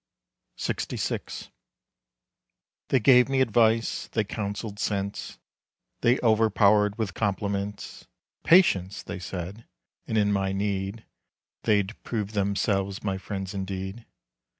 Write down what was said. LXVI. They gave me advice, they counseled sense, They overpowered with compliments. Patience! they said, and in my need They'd prove themselves my friends indeed.